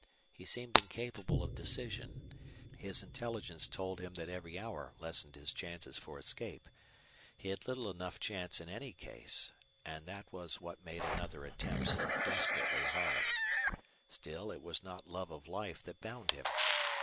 He seemed incapable of decision. His intelligence told him that every hour lessened his chances for escape. He had little enough chance in any case, and that was what made another attempt so desperately hard. Still it was not love of life that bound him.